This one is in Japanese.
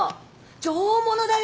上物だよ。